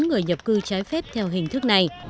người nhập cư trái phép theo hình thức này